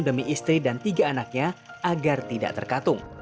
demi istri dan tiga anaknya agar tidak terkatung